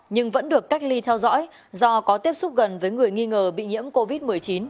nhưng vẫn được cách ly theo dõi do có tiếp xúc gần với người nghi ngờ bị nhiễm covid một mươi chín